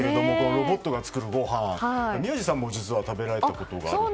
ロボットが作るご飯宮司さんも実は食べられたことがあるとか。